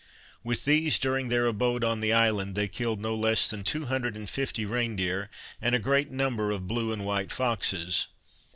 With these, during their abode on the island, they killed no less than two hundred and fifty rein deer, and a great number of blue and white foxes.